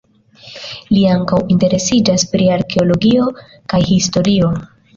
Li ankaŭ interesiĝas pri arkeologio kaj historio.